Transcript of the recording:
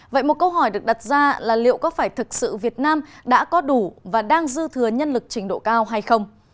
vậy một câu hỏi được đặt ra là liệu có phải thực sự việt nam đã có đủ và đang dư thừa nhân lực trình độ cao hay không